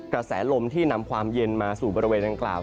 กระแสลมที่นำความเย็นมาสู่บริเวณดังกล่าว